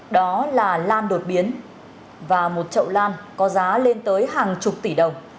đó là lan đột biến và một chậu lan có giá lên tới hàng chục tỷ đồng